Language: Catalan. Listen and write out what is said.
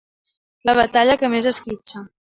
La batalla que més esquitxa.